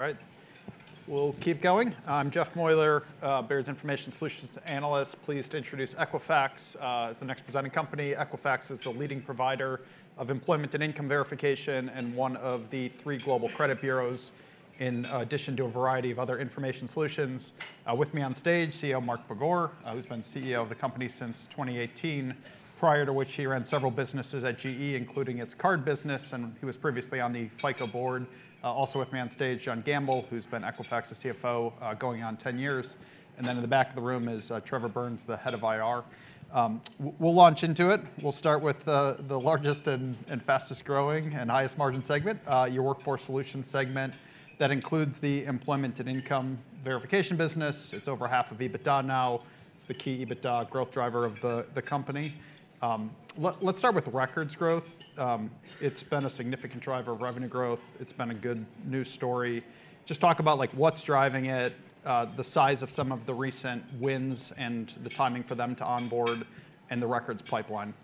All right, we'll keep going. I'm Jeff Meuler, Baird's information solutions analyst. Pleased to introduce Equifax as the next presenting company. Equifax is the leading provider of employment and income verification, and one of the three global credit bureaus, in addition to a variety of other information solutions. With me on stage, CEO Mark Begor, who's been CEO of the company since 2018. Prior to which he ran several businesses at GE, including its card business, and he was previously on the FICO board. Also with me on stage, John Gamble, who's been Equifax's CFO, going on 10 years. And then in the back of the room is Trevor Burns, the head of IR. We'll launch into it. We'll start with the largest and fastest growing, and highest margin segment, your Workforce Solutions segment. That includes the employment and income verification business. It's over half of EBITDA now. It's the key EBITDA growth driver of the company. Let's start with records growth. It's been a significant driver of revenue growth. It's been a good news story. Just talk about, like, what's driving it, the size of some of the recent wins, and the timing for them to onboard, and the records pipeline.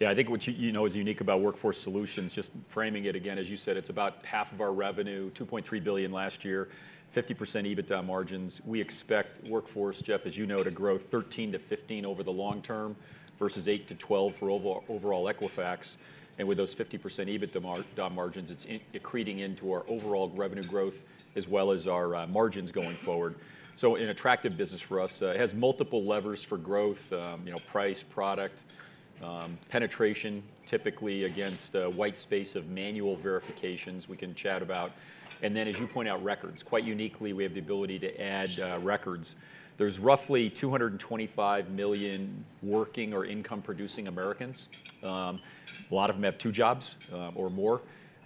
Yeah, I think what you, you know, is unique about Workforce Solutions, just framing it again, as you said, it's about half of our revenue, $2.3 billion last year, 50% EBITDA margins. We expect Workforce, Jeff, as you know, to grow 13% to 15% over the long term, versus 8% to 12% for overall Equifax. And with those 50% EBITDA margins, it's accretive into our overall revenue growth, as well as our margins going forward. So an attractive business for us. It has multiple levers for growth, you know, price, product, penetration, typically against a white space of manual verifications we can chat about. And then, as you point out, records. Quite uniquely, we have the ability to add records. There's roughly 225 million working or income-producing Americans. A lot of them have two jobs or more.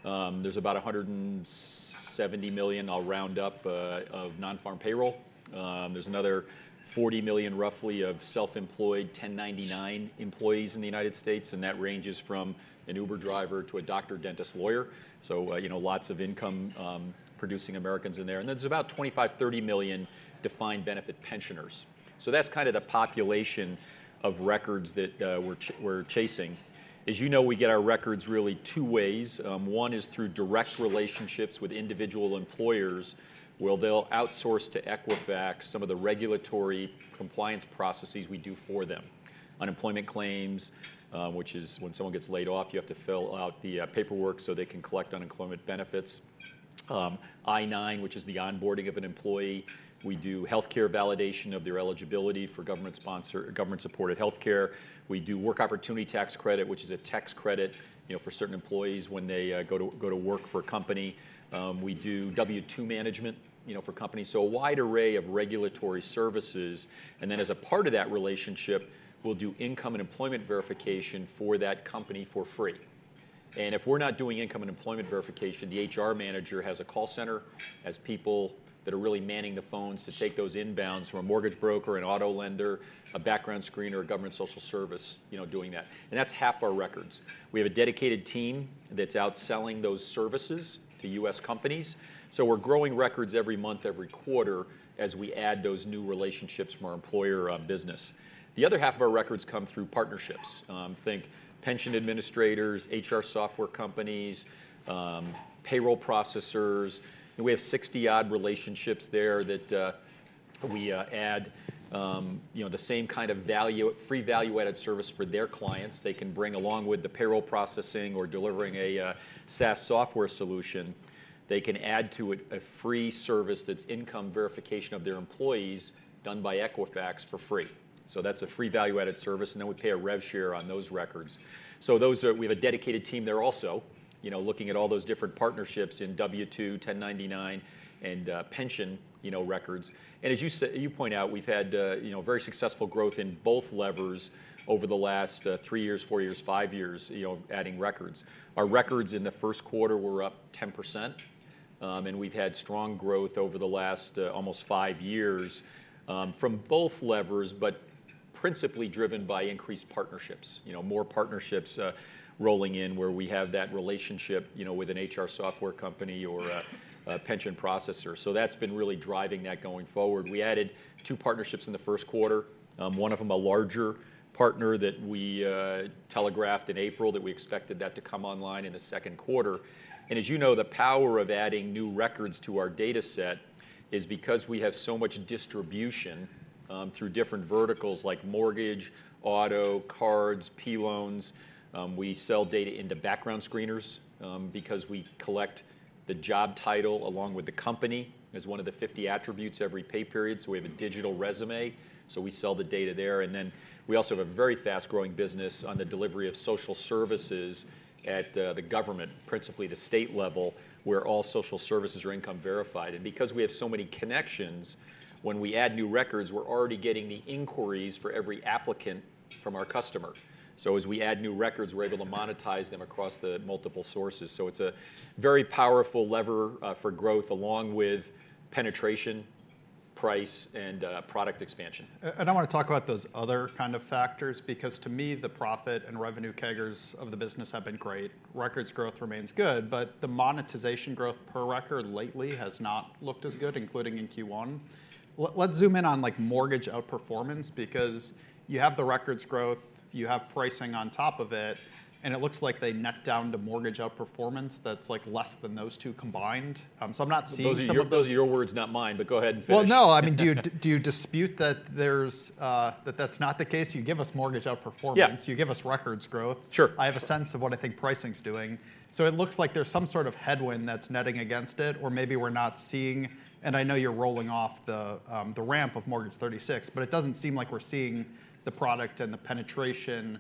There's about 170 million, I'll round up, of non-farm payroll. There's another 40 million, roughly, of self-employed 1099 employees in the United States, and that ranges from an Uber driver to a doctor, dentist, lawyer. So, you know, lots of income producing Americans in there. And there's about 25 to 30 million defined benefit pensioners. So that's kind of the population of records that we're chasing. As you know, we get our records really two ways. One is through direct relationships with individual employers, where they'll outsource to Equifax some of the regulatory compliance processes we do for them. Unemployment claims, which is when someone gets laid off, you have to fill out the paperwork so they can collect unemployment benefits. I-9, which is the onboarding of an employee. We do healthcare validation of their eligibility for government-supported healthcare. We do Work Opportunity Tax Credit, which is a tax credit, you know, for certain employees when they go to work for a company. We do W-2 management, you know, for companies, so a wide array of regulatory services. And then, as a part of that relationship, we'll do income and employment verification for that company for free. And if we're not doing income and employment verification, the HR manager has a call center, has people that are really manning the phones to take those inbounds from a mortgage broker, an auto lender, a background screener, or government social service, you know, doing that, and that's half our records. We have a dedicated team that's out selling those services to U.S. companies. So we're growing records every month, every quarter, as we add those new relationships from our employer business. The other half of our records come through partnerships. Think pension administrators, HR software companies, payroll processors. And we have 60-odd relationships there that we add, you know, the same kind of value, free value-added service for their clients. They can bring along with the payroll processing or delivering a SaaS software solution. They can add to it a free service that's income verification of their employees done by Equifax for free. So that's a free value-added service, and then we pay a rev share on those records. So those are. We have a dedicated team there also, you know, looking at all those different partnerships in W-2, 1099 and pension, you know, records. And as you point out, we've had, you know, very successful growth in both levers over the last three years, four years, five years, you know, adding records. Our records in the Q1 were up 10%. We've had strong growth over the last almost five years from both levers, but principally driven by increased partnerships. You know, more partnerships rolling in, where we have that relationship, you know, with an HR software company or a pension processor. So that's been really driving that going forward. We added two partnerships in the Q1. One of them, a larger partner that we telegraphed in April, that we expected that to come online in the Q2. And as you know, the power of adding new records to our data set is because we have so much distribution through different verticals like mortgage, auto, cards, P loans. We sell data into background screeners because we collect the job title, along with the company, as one of the 50 attributes every pay period, so we have a digital resume. So we sell the data there, and then we also have a very fast-growing business on the delivery of social services at the government, principally the state level, where all social services are income verified. And because we have so many connections, when we add new records, we're already getting the inquiries for every applicant from our customer. So as we add new records, we're able to monetize them across the multiple sources. So it's a very powerful lever for growth, along with penetration-... price and product expansion. And I want to talk about those other kind of factors, because to me, the profit and revenue CAGRs of the business have been great. Records growth remains good, but the monetization growth per record lately has not looked as good, including in Q1. Let's zoom in on, like, mortgage outperformance, because you have the records growth, you have pricing on top of it, and it looks like they net down to mortgage outperformance that's, like, less than those two combined. So I'm not seeing some of this- Those are your words, not mine, but go ahead and finish. Well, no, I mean, do you, do you dispute that there's, that that's not the case? You give us mortgage outperformance- Yeah. You give us records growth. Sure. I have a sense of what I think pricing's doing. So it looks like there's some sort of headwind that's netting against it, or maybe we're not seeing... And I know you're rolling off the ramp of Mortgage 36, but it doesn't seem like we're seeing the product and the penetration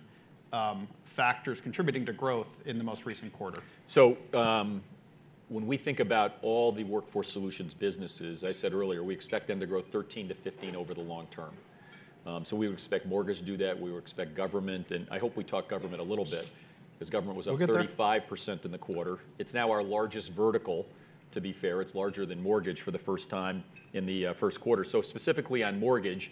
factors contributing to growth in the most recent quarter. So, when we think about all the workforce solutions businesses, I said earlier, we expect them to grow 13 to 15 over the long term. So we would expect mortgage to do that, we would expect government, and I hope we talk government a little bit, because government was up- We'll get there.... 35% in the quarter. It's now our largest vertical, to be fair. It's larger than mortgage for the first time in the Q1. So specifically on mortgage,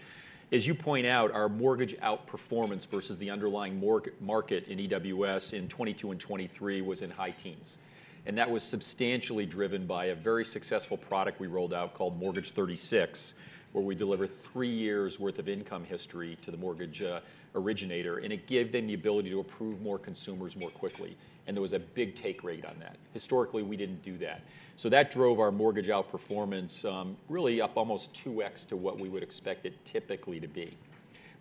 as you point out, our mortgage outperformance versus the underlying market in EWS in 2022 and 2023 was in high teens, and that was substantially driven by a very successful product we rolled out called Mortgage 36, where we deliver three years' worth of income history to the mortgage originator, and it gave them the ability to approve more consumers more quickly, and there was a big take rate on that. Historically, we didn't do that. So that drove our mortgage outperformance really up almost 2x to what we would expect it typically to be.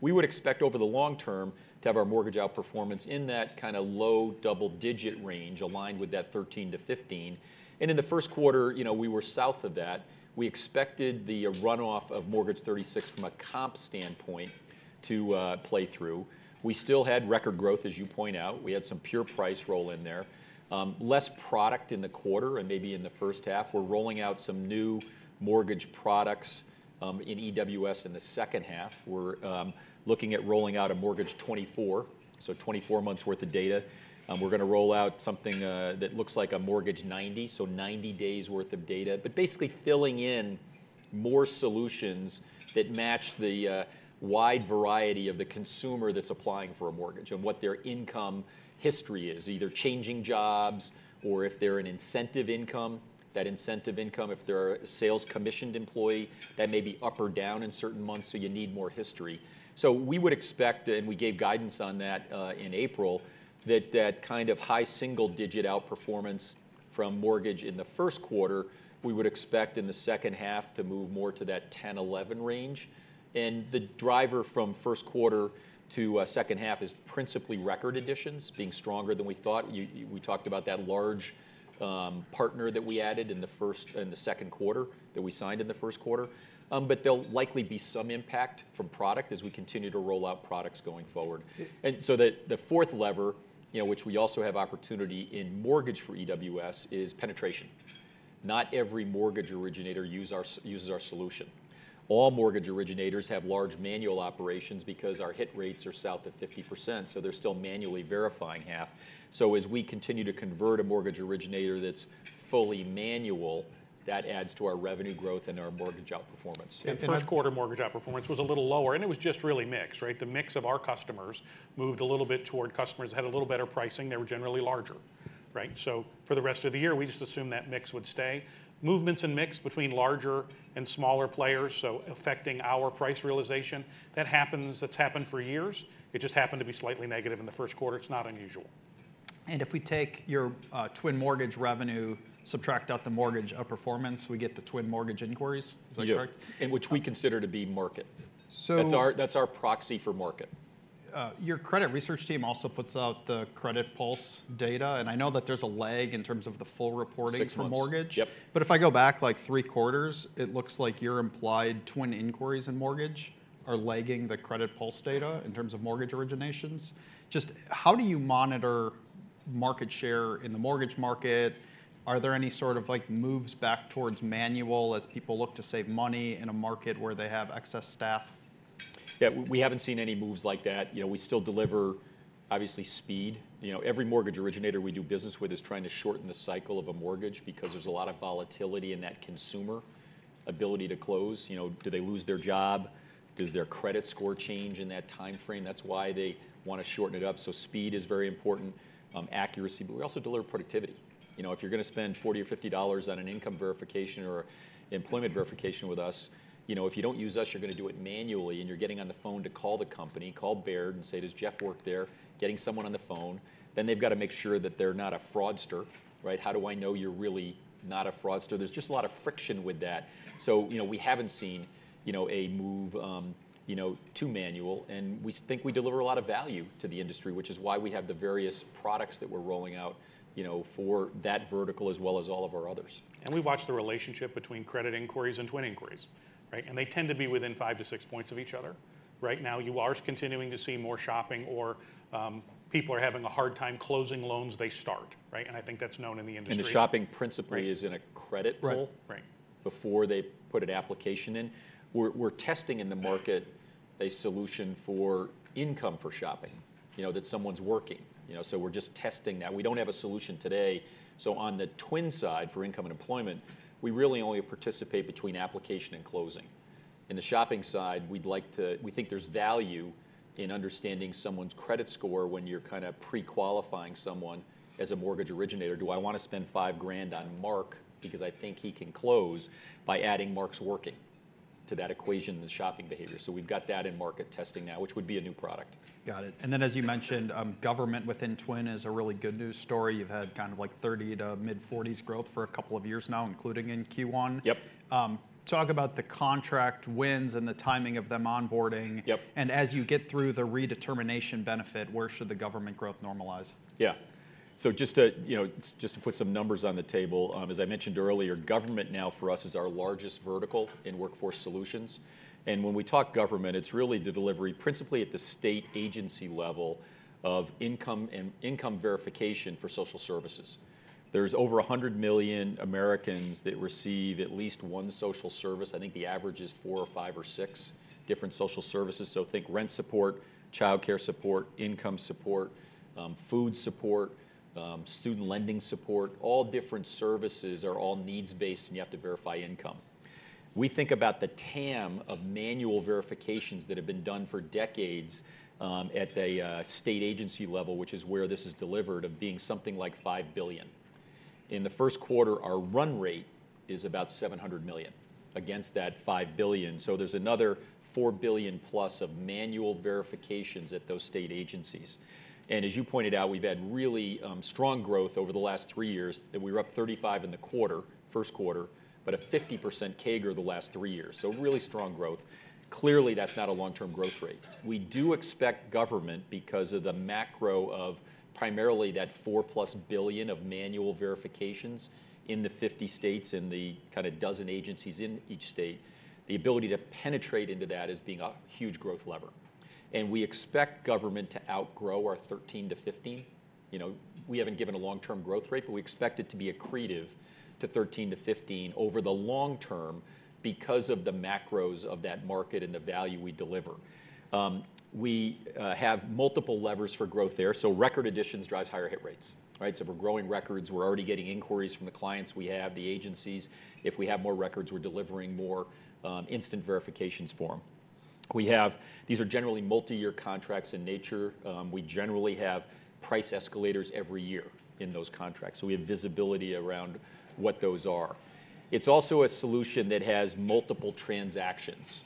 We would expect over the long term to have our mortgage outperformance in that kind of low double-digit range, aligned with that 13 to 15. In the Q1, you know, we were south of that. We expected the runoff of Mortgage 36 from a comp standpoint to play through. We still had record growth, as you point out. We had some pure price roll in there. Less product in the quarter and maybe in the H1. We're rolling out some new mortgage products in EWS in the H2. We're looking at rolling out a Mortgage 24, so 24 months' worth of data. We're gonna roll out something that looks like a Mortgage 90, so 90 days' worth of data. But basically filling in more solutions that match the wide variety of the consumer that's applying for a mortgage and what their income history is, either changing jobs or if they're an incentive income, that incentive income. If they're a sales commissioned employee, that may be up or down in certain months, so you need more history. So we would expect, and we gave guidance on that, in April, that that kind of high single-digit outperformance from mortgage in the Q1, we would expect in the H2 to move more to that 10 to 11 range. And the driver from Q1 to H2 is principally record additions being stronger than we thought. We talked about that large partner that we added in the first—in the Q2, that we signed in the Q1. But there'll likely be some impact from product as we continue to roll out products going forward. And so the fourth lever, you know, which we also have opportunity in mortgage for EWS, is penetration. Not every mortgage originator uses our solution. All mortgage originators have large manual operations because our hit rates are south of 50%, so they're still manually verifying half. So as we continue to convert a mortgage originator that's fully manual, that adds to our revenue growth and our mortgage outperformance. Q1 mortgage outperformance was a little lower, and it was just really mix, right? The mix of our customers moved a little bit toward customers that had a little better pricing. They were generally larger, right? So for the rest of the year, we just assumed that mix would stay. Movements in mix between larger and smaller players, so affecting our price realization, that happens. That's happened for years. It just happened to be slightly negative in the Q1. It's not unusual. If we take your TWN mortgage revenue, subtract out the mortgage outperformance, we get the TWN mortgage inquiries. Is that correct? Yeah, and which we consider to be market. So- That's our proxy for market. Your credit research team also puts out the credit pulse data, and I know that there's a lag in terms of the full reporting. Six months... for mortgage. Yep. But if I go back, like, three quarters, it looks like your implied TWN inquiries and mortgage are lagging the credit pulse data in terms of mortgage originations. Just how do you monitor market share in the mortgage market? Are there any sort of, like, moves back towards manual as people look to save money in a market where they have excess staff? Yeah, we haven't seen any moves like that. You know, we still deliver, obviously, speed. You know, every mortgage originator we do business with is trying to shorten the cycle of a mortgage because there's a lot of volatility in that consumer ability to close. You know, do they lose their job? Does their credit score change in that time frame? That's why they want to shorten it up. So speed is very important, accuracy, but we also deliver productivity. You know, if you're gonna spend $40 or $50 on an income verification or employment verification with us, you know, if you don't use us, you're gonna do it manually, and you're getting on the phone to call the company, call Baird and say, "Does Jeff work there?" Getting someone on the phone, then they've got to make sure that they're not a fraudster, right? How do I know you're really not a fraudster? There's just a lot of friction with that. So, you know, we haven't seen, you know, a move, you know, to manual, and we think we deliver a lot of value to the industry, which is why we have the various products that we're rolling out, you know, for that vertical, as well as all of our others. We watch the relationship between credit inquiries and TWN inquiries, right? They tend to be within five to six points of each other. Right now, you are continuing to see more shopping or people are having a hard time closing loans they start, right? I think that's known in the industry. And the shopping principally is in a credit pull- Right, right... before they put an application in. We're testing in the market a solution for income for shopping, you know, that someone's working. You know, so we're just testing that. We don't have a solution today. So on the TWN side, for income and employment, we really only participate between application and closing. In the shopping side, we'd like to. We think there's value in understanding someone's credit score when you're kind of pre-qualifying someone as a mortgage originator. Do I want to spend $5,000 on Mark because I think he can close by adding Mark's working to that equation and the shopping behavior? So we've got that in market testing now, which would be a new product. Got it. And then, as you mentioned, government within TWN is a really good news story. You've had kind of like 30 to mid-40s growth for a couple of years now, including in Q1. Yep. Talk about the contract wins and the timing of them onboarding. Yep. As you get through the redetermination benefit, where should the government growth normalize? Yeah. So just to, you know, just to put some numbers on the table, as I mentioned earlier, government now for us is our largest vertical in workforce solutions. And when we talk government, it's really the delivery, principally at the state agency level, of income and income verification for social services. There's over 100 million Americans that receive at least one social service. I think the average is four or five or six different social services. So think rent support, childcare support, income support, food support, student lending support. All different services are all needs-based, and you have to verify income. We think about the TAM of manual verifications that have been done for decades, at a state agency level, which is where this is delivered, of being something like $5 billion. In the Q1, our run rate is about $700 million against that $5 billion. So there's another $4 billion-plus of manual verifications at those state agencies. And as you pointed out, we've had really strong growth over the last three years, and we were up 35% in the Q1, but a 50% CAGR the last three years. So really strong growth. Clearly, that's not a long-term growth rate. We do expect government because of the macro of primarily that $4+ billion of manual verifications in the 50 states and the kind of dozen agencies in each state, the ability to penetrate into that as being a huge growth lever. And we expect government to outgrow our 13% to 15%. You know, we haven't given a long-term growth rate, but we expect it to be accretive to 13% to 15% over the long term because of the macros of that market and the value we deliver. We have multiple levers for growth there. So record additions drives higher hit rates, right? So if we're growing records, we're already getting inquiries from the clients we have, the agencies. If we have more records, we're delivering more instant verifications form. These are generally multi-year contracts in nature. We generally have price escalators every year in those contracts, so we have visibility around what those are. It's also a solution that has multiple transactions.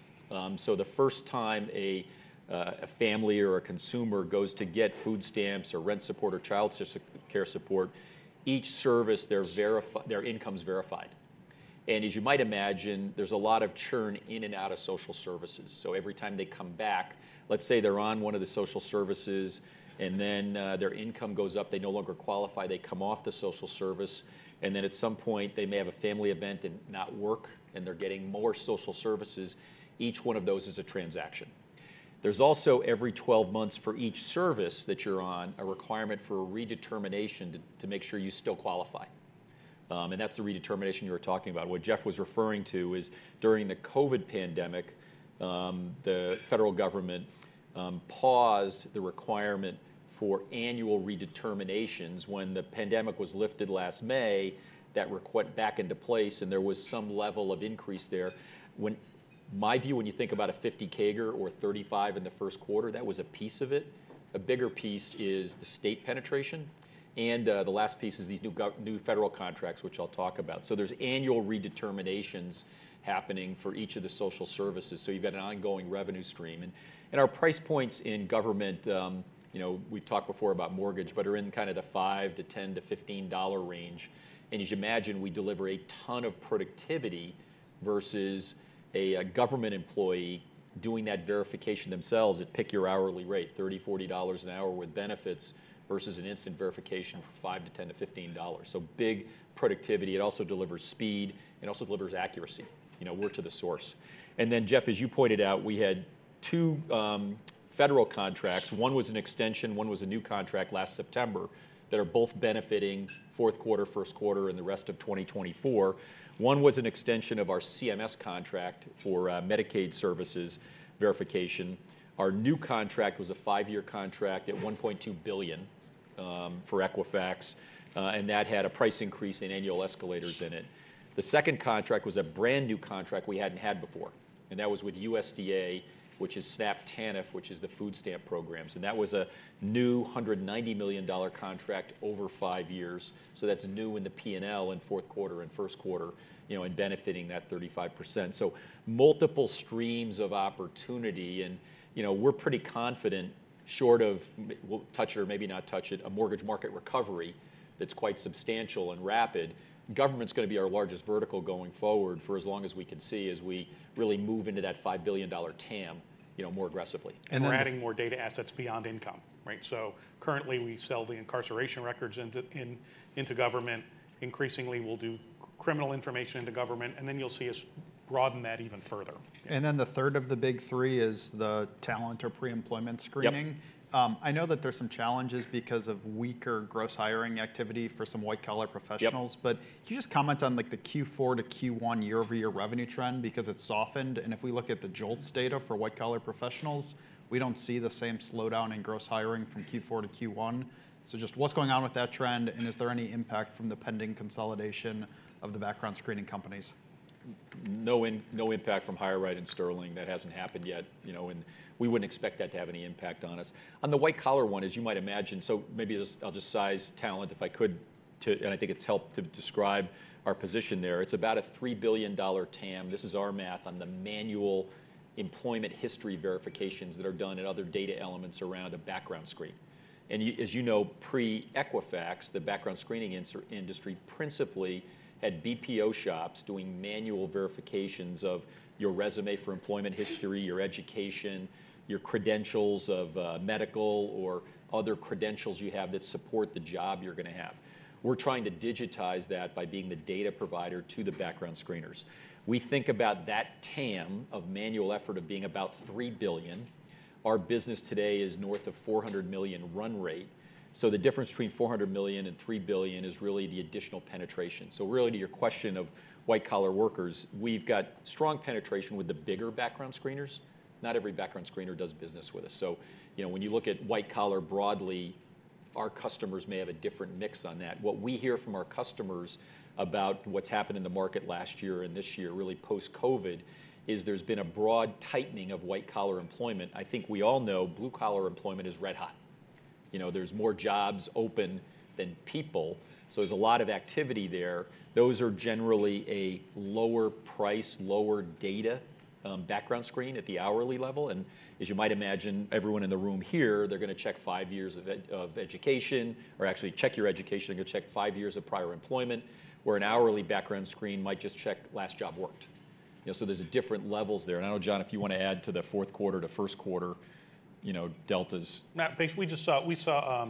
So the first time a family or a consumer goes to get food stamps or rent support or child care support, each service, their income's verified. And as you might imagine, there's a lot of churn in and out of social services. So every time they come back, let's say they're on one of the social services, and then their income goes up, they no longer qualify, they come off the social service. And then at some point, they may have a family event and not work, and they're getting more social services. Each one of those is a transaction. There's also every 12 months for each service that you're on, a requirement for a redetermination to make sure you still qualify. And that's the redetermination you were talking about. What Jeff was referring to is during the COVID pandemic, the federal government paused the requirement for annual redeterminations. When the pandemic was lifted last May, that requirement back into place, and there was some level of increase there. When... My view, when you think about a 50% CAGR or 35% in the Q1, that was a piece of it. A bigger piece is the state penetration, and the last piece is these new federal contracts, which I'll talk about. So there's annual redeterminations happening for each of the social services. So you've got an ongoing revenue stream. And our price points in government, you know, we've talked before about mortgage, but are in kind of the $5 to 10 to 15 range. And as you'd imagine, we deliver a ton of productivity versus a government employee doing that verification themselves at pick your hourly rate, $30 to 40 an hour with benefits, versus an instant verification for $5 to 10 to 15. So big productivity. It also delivers speed. It also delivers accuracy. You know, we're to the source. Then, Jeff, as you pointed out, we had two federal contracts. One was an extension, one was a new contract last September, that are both benefiting Q4, Q1, and the rest of 2024. One was an extension of our CMS contract for Medicaid services verification. Our new contract was a 5-year contract at $1.2 billion for Equifax, and that had a price increase and annual escalators in it. The second contract was a brand-new contract we hadn't had before, and that was with USDA, which is SNAP TANF, which is the food stamp programs. And that was a new $190 million contract over five years. So that's new in the PNL in Q4 and Q1, you know, and benefiting that 35%. So multiple streams of opportunity, and, you know, we're pretty confident, short of, we'll touch or maybe not touch it, a mortgage market recovery that's quite substantial and rapid. Government's gonna be our largest vertical going forward for as long as we can see, as we really move into that $5 billion TAM, you know, more aggressively. And we're adding more data assets beyond income, right? So currently, we sell the incarceration records into government. Increasingly, we'll do criminal information into government, and then you'll see us broaden that even further. Yeah. The third of the big three is the talent or pre-employment screening. Yep. I know that there's some challenges because of weaker gross hiring activity for some white-collar professionals. Yep. But can you just comment on, like, the Q4 to Q1 year-over-year revenue trend? Because it's softened, and if we look at the JOLTS data for white-collar professionals, we don't see the same slowdown in gross hiring from Q4 to Q1. So just what's going on with that trend, and is there any impact from the pending consolidation of the background screening companies? No impact from HireRight and Sterling. That hasn't happened yet, you know, and we wouldn't expect that to have any impact on us. On the white collar one, as you might imagine. So maybe just I'll just size talent, if I could, and I think it's helped to describe our position there. It's about a $3 billion TAM. This is our math on the manual employment history verifications that are done, and other data elements around a background screen. And as you know, pre-Equifax, the background screening industry principally had BPO shops doing manual verifications of your resume for employment history, your education, your credentials of medical or other credentials you have that support the job you're gonna have. We're trying to digitize that by being the data provider to the background screeners. We think about that TAM of manual effort of being about $3 billion. Our business today is north of $400 million run rate. So the difference between $400 million and $3 billion is really the additional penetration. So really, to your question of white-collar workers, we've got strong penetration with the bigger background screeners. Not every background screener does business with us. So, you know, when you look at white-collar broadly, our customers may have a different mix on that. What we hear from our customers about what's happened in the market last year and this year, really post-COVID, is there's been a broad tightening of white-collar employment. I think we all know blue-collar employment is red hot. You know, there's more jobs open than people, so there's a lot of activity there. Those are generally a lower price, lower data, background screen at the hourly level, and as you might imagine, everyone in the room here, they're gonna check five years of education, or actually check your education, they're gonna check five years of prior employment, where an hourly background screen might just check last job worked. You know, so there's different levels there. I know, John, if you want to add to the Q4 to Q1, you know, deltas. Matt, thanks. We just saw.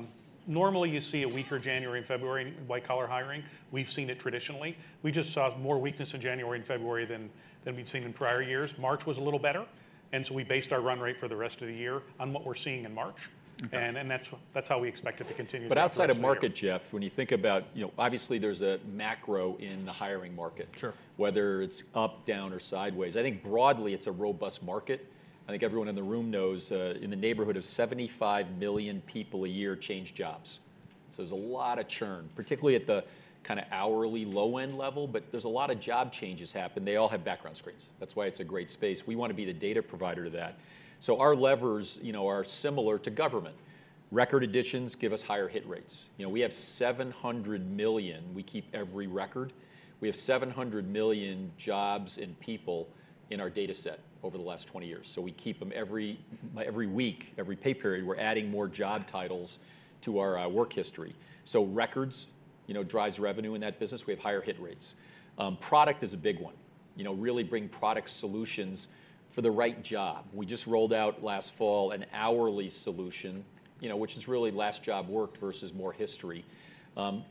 Normally, you see a weaker January and February in white-collar hiring. We've seen it traditionally. We just saw more weakness in January and February than we'd seen in prior years. March was a little better, and so we based our run rate for the rest of the year on what we're seeing in March. Okay. That's how we expect it to continue through the rest of the year. But outside of market, Jeff, when you think about, you know, obviously there's a macro in the hiring market- Sure... whether it's up, down, or sideways. I think broadly it's a robust market. I think everyone in the room knows, in the neighborhood of 75 million people a year change jobs. So there's a lot of churn, particularly at the kinda hourly low-end level, but there's a lot of job changes happen. They all have background screens. That's why it's a great space. We want to be the data provider to that. So our levers, you know, are similar to government. Record additions give us higher hit rates. You know, we have 700 million. We keep every record. We have 700 million jobs and people in our data set over the last 20 years. So we keep them every, every week, every pay period, we're adding more job titles to our, work history. So records, you know, drives revenue in that business. We have higher hit rates. Product is a big one. You know, really bring product solutions for the right job. We just rolled out last fall an hourly solution, you know, which is really last job worked versus more history.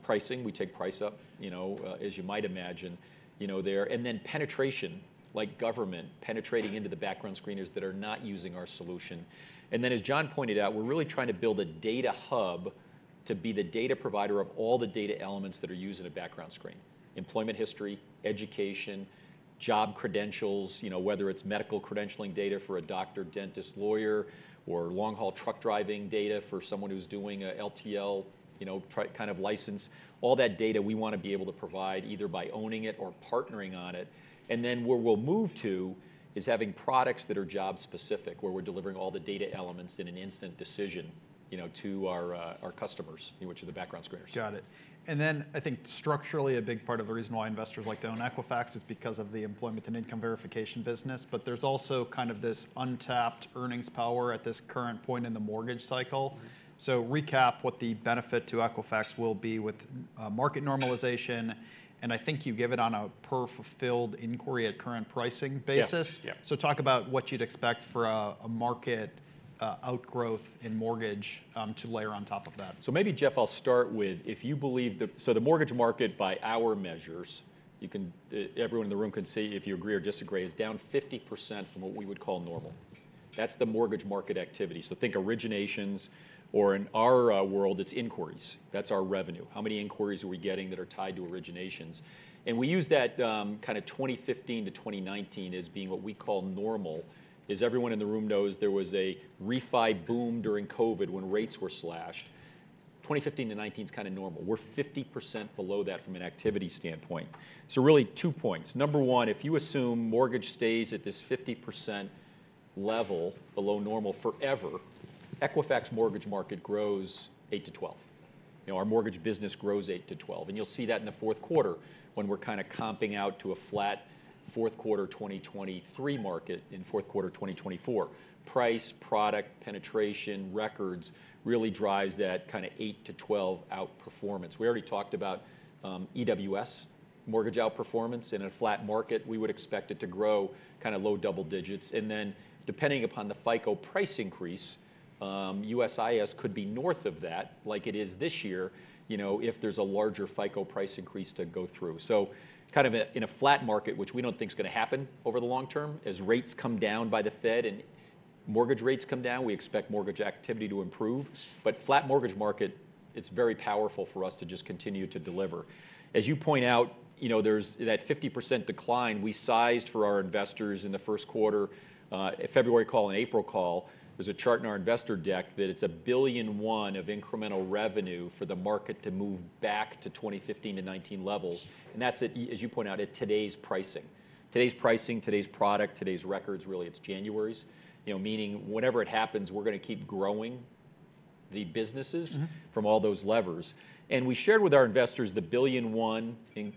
Pricing, we take price up, you know, as you might imagine, you know, there. And then penetration, like government, penetrating into the background screeners that are not using our solution. And then, as John pointed out, we're really trying to build a data hub to be the data provider of all the data elements that are used in a background screen: employment history, education, job credentials. You know, whether it's medical credentialing data for a doctor, dentist, lawyer, or long-haul truck driving data for someone who's doing a w, you know, tri- kind of license. All that data we want to be able to provide, either by owning it or partnering on it. And then where we'll move to is having products that are job specific, where we're delivering all the data elements in an instant decision, you know, to our, our customers, which are the background screeners. Got it. And then I think structurally, a big part of the reason why investors like to own Equifax is because of the employment and income verification business, but there's also kind of this untapped earnings power at this current point in the mortgage cycle. So recap what the benefit to Equifax will be with market normalization, and I think you give it on a per fulfilled inquiry at current pricing basis. Yeah, yeah. So talk about what you'd expect for a market outgrowth in mortgage to layer on top of that. So maybe, Jeff, I'll start with, if you believe that. So the mortgage market, by our measures, you can, everyone in the room can see if you agree or disagree, is down 50% from what we would call normal. That's the mortgage market activity. So think originations, or in our, world, it's inquiries. That's our revenue. How many inquiries are we getting that are tied to originations? And we use that, kind of 2015 to 2019 as being what we call normal. As everyone in the room knows, there was a refi boom during COVID when rates were slashed. 2015 to 2019 is kind of normal. We're 50% below that from an activity standpoint. So really, two points. Number one, if you assume mortgage stays at this 50% level below normal forever, Equifax mortgage market grows eight to 12. You know, our mortgage business grows eight to 12, and you'll see that in the Q4 when we're kind of comping out to a flat Q4 2023 market in Q4 2024. Price, product, penetration, records, really drives that kind of eight to 12 outperformance. We already talked about EWS mortgage outperformance. In a flat market, we would expect it to grow kind of low double digits. And then, depending upon the FICO price increase, USIS could be north of that, like it is this year, you know, if there's a larger FICO price increase to go through. So kind of a, in a flat market, which we don't think is gonna happen over the long term. As rates come down by the Fed and mortgage rates come down, we expect mortgage activity to improve. But flat mortgage market, it's very powerful for us to just continue to deliver. As you point out, you know, there's that 50% decline we sized for our investors in the Q1. February call and April call, there's a chart in our investor deck that it's $1 billion of incremental revenue for the market to move back to 2015 to 2019 levels, and that's at, as you point out, at today's pricing. Today's pricing, today's product, today's records, really, it's January's. You know, meaning whenever it happens, we're gonna keep growing-... the businesses- Mm-hmm. From all those levers. And we shared with our investors the $1.1 billion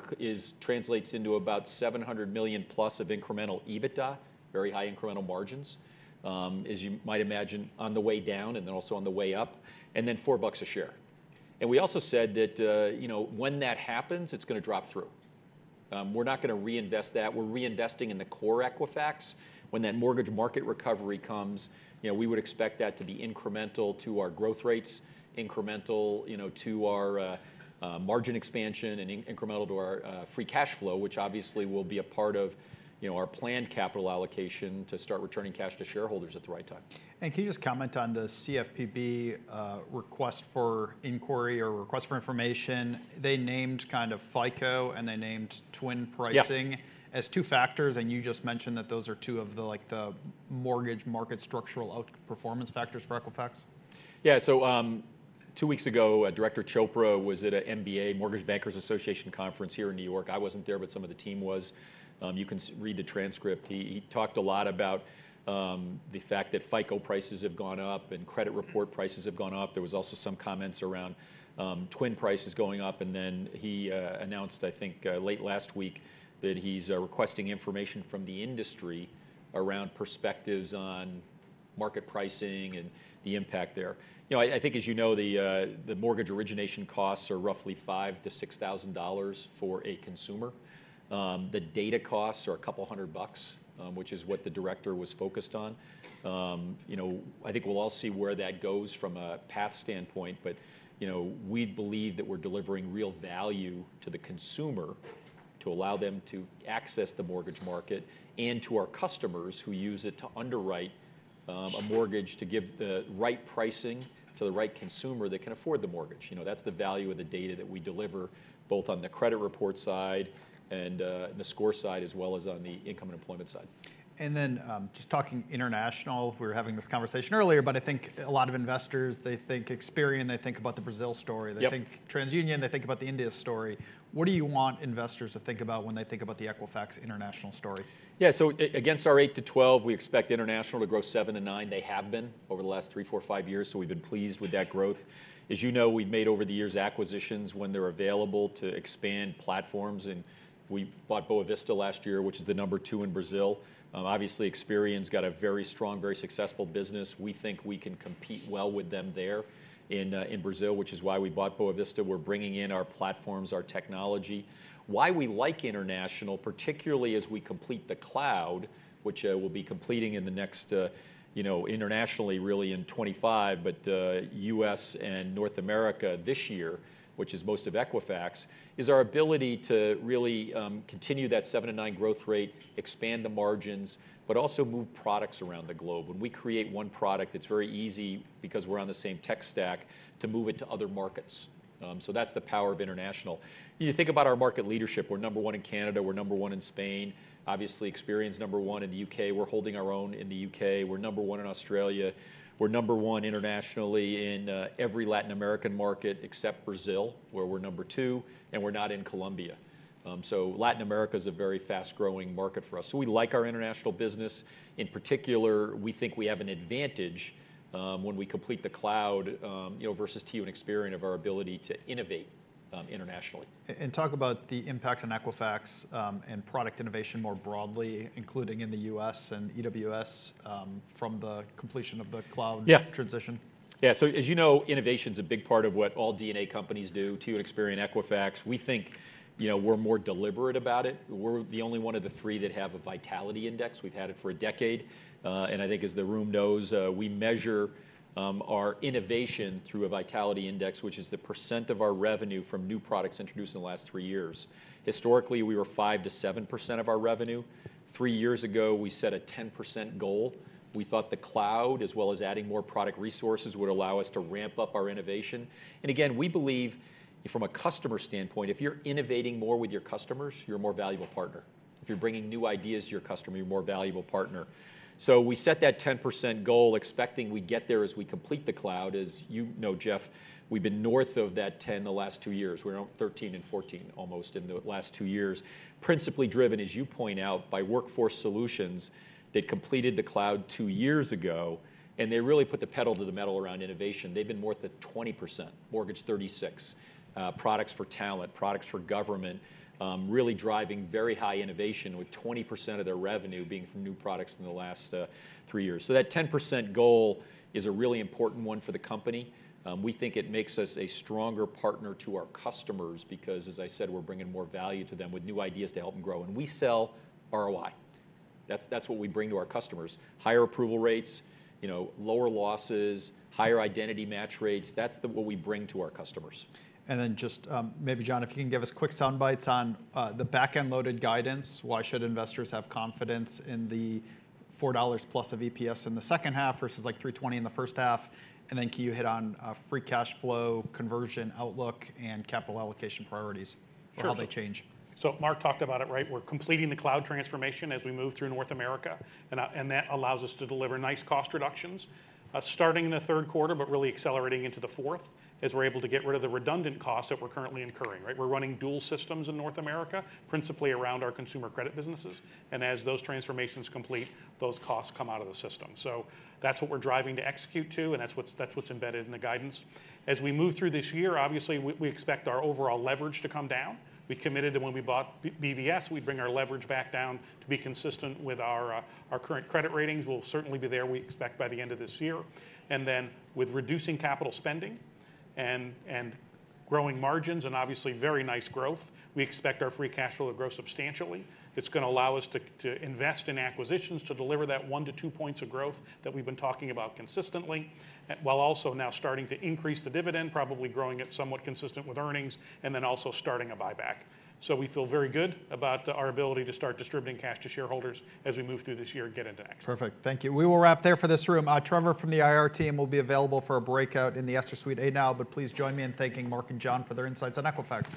translates into about $700 million+ of incremental EBITDA, very high incremental margins. As you might imagine, on the way down and then also on the way up, and then $4 a share. And we also said that, you know, when that happens, it's gonna drop through. We're not gonna reinvest that. We're reinvesting in the core Equifax. When that mortgage market recovery comes, you know, we would expect that to be incremental to our growth rates, incremental, you know, to our, margin expansion and incremental to our, free cash flow, which obviously will be a part of, you know, our planned capital allocation to start returning cash to shareholders at the right time. Can you just comment on the CFPB request for inquiry or request for information? They named kind of FICO, and they named TWN Pricing- Yeah... as two factors, and you just mentioned that those are two of the, like, the mortgage market structural outperformance factors for Equifax. Yeah, so, two weeks ago, Director Chopra was at a MBA, Mortgage Bankers Association conference here in New York. I wasn't there, but some of the team was. You can read the transcript. He talked a lot about the fact that FICO prices have gone up and credit report prices have gone up. There was also some comments around TWN prices going up, and then he announced, I think, late last week, that he's requesting information from the industry around perspectives on market pricing and the impact there. You know, I think, as you know, the mortgage origination costs are roughly $5,000 to 6,000 for a consumer. The data costs are a couple hundred bucks, which is what the director was focused on. You know, I think we'll all see where that goes from a path standpoint, but, you know, we believe that we're delivering real value to the consumer to allow them to access the mortgage market and to our customers who use it to underwrite, a mortgage to give the right pricing to the right consumer that can afford the mortgage. You know, that's the value of the data that we deliver, both on the credit report side and, the score side, as well as on the income and employment side. Then, just talking international, we were having this conversation earlier, but I think a lot of investors, they think Experian, they think about the Brazil story. Yep. They think TransUnion, they think about the India story. What do you want investors to think about when they think about the Equifax international story? Yeah, so against our eight to 12, we expect international to grow seven to nine. They have been over the last three, four, five years, so we've been pleased with that growth. As you know, we've made, over the years, acquisitions when they're available to expand platforms, and we bought Boa Vista last year, which is the number two in Brazil. Obviously, Experian's got a very strong, very successful business. We think we can compete well with them there in, in Brazil, which is why we bought Boa Vista. We're bringing in our platforms, our technology. Why we like international, particularly as we complete the cloud, which, we'll be completing in the next, you know, internationally, really in 2025, but, U.S. and North America this year, which is most of Equifax, is our ability to really, continue that seven to nine growth rate, expand the margins, but also move products around the globe. When we create one product, it's very easy because we're on the same tech stack, to move it to other markets. So that's the power of international. You think about our market leadership, we're number one in Canada, we're number one in Spain. Obviously, Experian's number one in the U.K. We're holding our own in the U.K. We're number one in Australia. We're number one internationally in every Latin American market except Brazil, where we're number two, and we're not in Colombia. Latin America's a very fast-growing market for us. We like our international business. In particular, we think we have an advantage when we complete the cloud, you know, versus TU and Experian, of our ability to innovate internationally. talk about the impact on Equifax, and product innovation more broadly, including in the U.S. and EWS, from the completion of the cloud- Yeah... transition. Yeah, so as you know, innovation's a big part of what all D&A companies do, TU, Experian, Equifax. We think, you know, we're more deliberate about it. We're the only one of the three that have a Vitality Index. We've had it for a decade. And I think as the room knows, we measure our innovation through a Vitality Index, which is the % of our revenue from new products introduced in the last three years. Historically, we were 5% to 7% of our revenue. Three years ago, we set a 10% goal. We thought the cloud, as well as adding more product resources, would allow us to ramp up our innovation. And again, we believe from a customer standpoint, if you're innovating more with your customers, you're a more valuable partner. If you're bringing new ideas to your customer, you're a more valuable partner. So we set that 10% goal, expecting we'd get there as we complete the cloud. As you know, Jeff, we've been north of that 10 the last two years. We're around 13 and 14 almost in the last 2 years. Principally driven, as you point out, by Workforce Solutions that completed the cloud two years ago, and they really put the pedal to the metal around innovation. They've been north of 20%, Mortgage 36. Products for talent, products for government, really driving very high innovation with 20% of their revenue being from new products in the last three years. So that 10% goal is a really important one for the company. We think it makes us a stronger partner to our customers because, as I said, we're bringing more value to them with new ideas to help them grow. We sell ROI. That's, that's what we bring to our customers: higher approval rates, you know, lower losses, higher identity match rates. That's the what we bring to our customers. And then just, maybe John, if you can give us quick sound bites on, the back-end loaded guidance. Why should investors have confidence in the $4+ of EPS in the H2 versus, like, $3.20 in the H1? And then can you hit on, free cash flow, conversion outlook, and capital allocation priorities? Sure. How they change. So Mark talked about it, right? We're completing the Cloud Transformation as we move through North America, and that allows us to deliver nice cost reductions, starting in the Q3, but really accelerating into the fourth, as we're able to get rid of the redundant costs that we're currently incurring, right? We're running dual systems in North America, principally around our consumer credit businesses, and as those transformations complete, those costs come out of the system. So that's what we're driving to execute to, and that's what's embedded in the guidance. As we move through this year, obviously, we expect our overall leverage to come down. We committed that when we bought BVS, we'd bring our leverage back down to be consistent with our current credit ratings. We'll certainly be there, we expect, by the end of this year. And then with reducing capital spending and growing margins and obviously very nice growth, we expect our free cash flow to grow substantially. It's gonna allow us to invest in acquisitions to deliver that one to two points of growth that we've been talking about consistently, while also now starting to increase the dividend, probably growing it somewhat consistent with earnings, and then also starting a buyback. So we feel very good about our ability to start distributing cash to shareholders as we move through this year and get into next. Perfect. Thank you. We will wrap there for this room. Trevor from the IR team will be available for a breakout in the Astor Suite A now. But please join me in thanking Mark and John for their insights on Equifax.